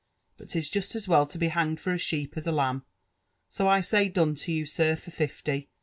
But 'tis just as well to be hanged for a sheep as ^ lamb ; so i say done to you, sir, for fifty.